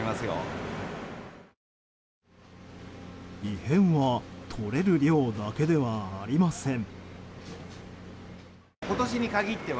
異変はとれる量だけではありません。